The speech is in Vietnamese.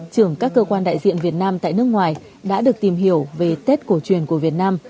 trưởng các cơ quan đại diện việt nam tại nước ngoài đã được tìm hiểu về tết cổ truyền của việt nam